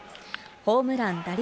ホームラン、打率、